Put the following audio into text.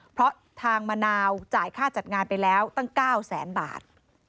เพราะทางมะนาวจ่ายค่าจัดงานไปแล้วตั้ง๙แสนบาท